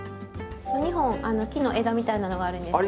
２本木の枝みたいなのがあるんですけど。